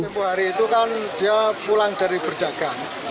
semua hari itu kan dia pulang dari berjaga